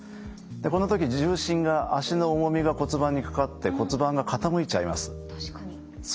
でこの時重心が脚の重みが骨盤にかかって骨盤が傾いちゃいます。